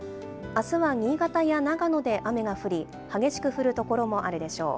あすは新潟や長野で雨が降り、激しく降る所もあるでしょう。